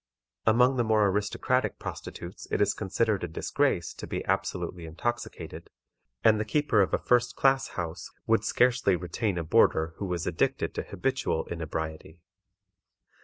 Among the more aristocratic prostitutes it is considered a disgrace to be absolutely intoxicated, and the keeper of a first class house would scarcely retain a boarder who was addicted to habitual inebriety.